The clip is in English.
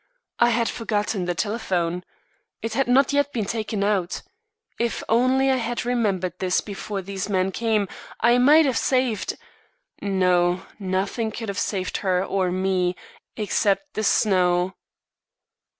I had forgotten the telephone. It had not yet been taken out. If only I had remembered this before these men came I might have saved No, nothing could have saved her or me, except the snow, except the snow.